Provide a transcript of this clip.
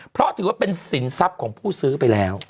เพราะถือว่าเป็นสินทรัพย์ของผู้ซื้อไปแล้ว